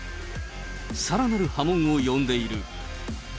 さらなる波紋を呼んでいる。